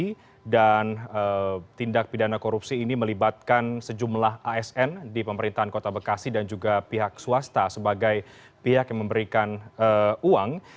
pada saat ini keterangannya melibatkan sejumlah asn di pemerintahan kota bekasi dan juga pihak swasta sebagai pihak yang memberikan uang